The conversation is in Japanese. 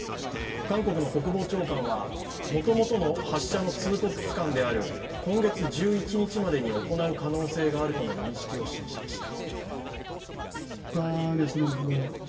韓国の国防長官はもともとの発射の通告期間である今月１１日までに行う可能性があるとの認識を示しました。